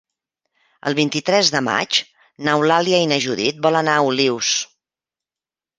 El vint-i-tres de maig n'Eulàlia i na Judit volen anar a Olius.